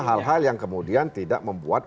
hal hal yang kemudian tidak membuat